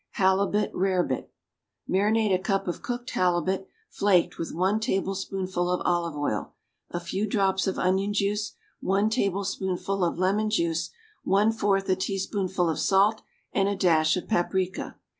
=Halibut Rarebit.= Marinate a cup of cooked halibut, flaked, with one tablespoonful of olive oil, a few drops of onion juice, one tablespoonful of lemon juice, one fourth a teaspoonful of salt and a dash of paprica.